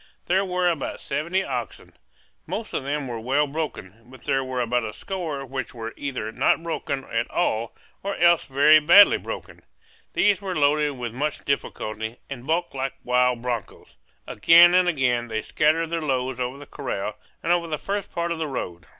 There were about seventy oxen. Most of them were well broken, but there were about a score which were either not broken at all or else very badly broken. These were loaded with much difficulty, and bucked like wild broncos. Again and again they scattered their loads over the corral and over the first part of the road.